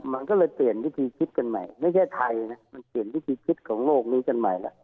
มันก็เลยเปลี่ยนวิธีคิดกันใหม่ไม่ใช่ไทยนะมันเปลี่ยนวิธีคิดของโลกนี้กันใหม่แล้ว